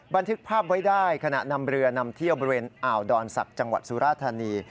บันทึกภาพไว้ได้ขณะนำเรือนำเที่ยวบริเวณอ่าวดอนศักดิ์จังหวัดสุราธานี